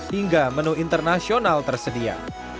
hingga menu internasional tersedia